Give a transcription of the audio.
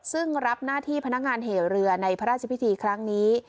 ซึ่งรับหน้าที่พนักงานเหเรือในพระราชพิธีครั้งนี้